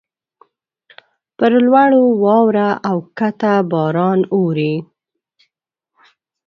پر لوړو واوره اوکښته باران اوري.